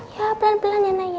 ya belan belan ya naya